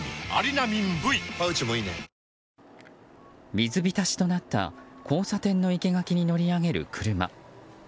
水浸しとなった交差点の生け垣に乗り上げる車。